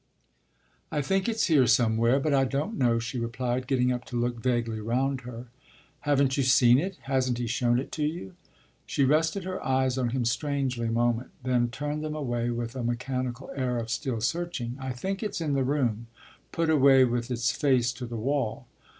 "I think it's here somewhere, but I don't know," she replied, getting up to look vaguely round her. "Haven't you seen it? Hasn't he shown it to you?" She rested her eyes on him strangely a moment, then turned them away with a mechanical air of still searching. "I think it's in the room, put away with its face to the wall."